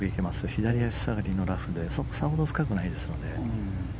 左足下がりのラフでさほど深くないので。